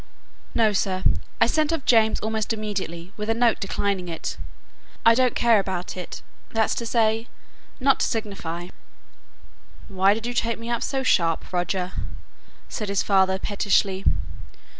"No, sir; I sent off James almost immediately with a note declining it. I don't care about it that's to say, not to signify." "Why did you take me up so sharp, Roger?" said his father pettishly.